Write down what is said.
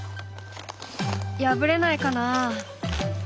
破れないかな？